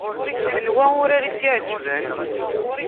Anwa urar i s-iɛeǧben?